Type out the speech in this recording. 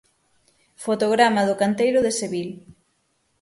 Fotograma de 'O canteiro de Sebil'.